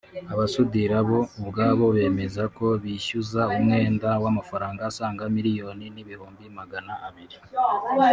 Abasudira bo ubwabo bemeza ko bishyuza umwenda w’amafaranga asaga miliyoni n’ibihumbi Magana abiri